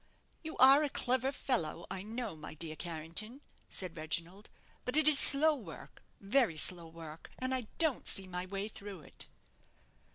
"You are a very clever fellow, I know, my dear Carrington," said Reginald; "but it is slow work, very slow work, and I don't see my way through it."